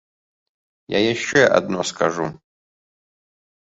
Я яшчэ адно скажу.